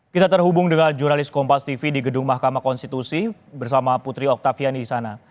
kita terhubung dengan jurnalis kompas tv di gedung mahkamah konstitusi bersama putri oktavian di sana